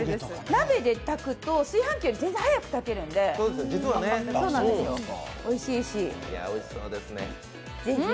鍋で炊くと炊飯器より全然速く炊けるんで、おいしいし、ぜひ。